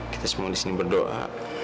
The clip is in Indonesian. kita semua di sini berdoa